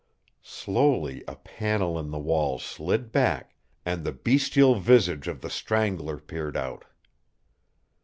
Slowly a panel in the wall slid back and the bestial visage of the Strangler peered out.